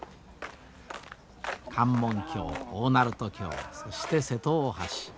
関門橋大鳴門橋そして瀬戸大橋。